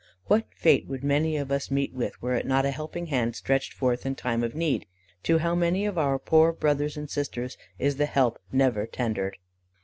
What fate would many of us meet with were not a helping hand stretched forth in time of need? To how many of our poor brothers and sisters is the help never tendered!